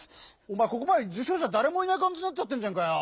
おまえここまでじゅ賞しゃだれもいないかんじになっちゃってんじゃんかよ！